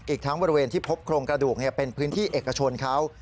อีกทั้งบริเวณที่พบโครงกระดูกเป็นพื้นที่เอกชนเขา